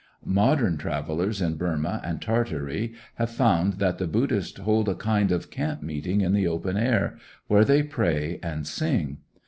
Modern travelers in Burma and Tartary have found that the Buddhists hold a kind of camp meeting in the open air, where they pray and sing.